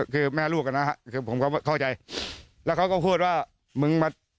คือแม่ลูกอ่ะนะฮะคือผมก็เข้าใจแล้วเขาก็พูดว่ามึงมา